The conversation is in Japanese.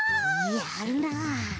やるなあ。